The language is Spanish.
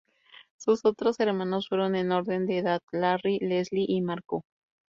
Sus otros hermanos fueron, en orden de edad, Larry, Leslie y Margo.